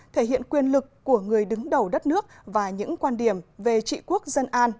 thể hiện quyền lực của người đứng đầu đất nước và những quan điểm về trị quốc dân an